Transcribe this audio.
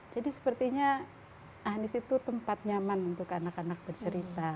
jadi sepertinya anies itu tempat nyaman untuk anak anak bercerita